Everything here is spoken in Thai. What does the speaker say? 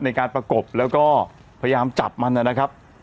ในการประกบแล้วก็พยายามจับมันนะครับ